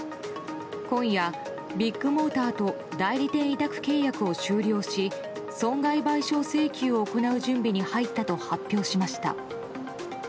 今夜、ビッグモーターと代理店委託契約を終了し損害賠償請求を行う準備に入ったと発表しました。